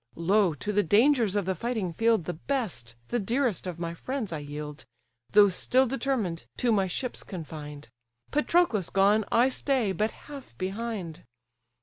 Lo, to the dangers of the fighting field The best, the dearest of my friends, I yield, Though still determined, to my ships confined; Patroclus gone, I stay but half behind.